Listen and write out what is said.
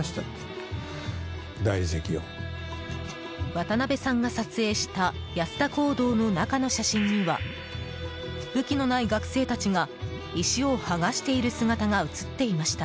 渡辺さんが撮影した安田講堂の中の写真には武器のない学生たちが石を剥がしている姿が写っていました。